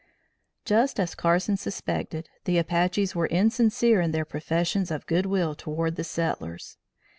Just as Carson suspected, the Apaches were insincere in their professions of good will toward the settlers.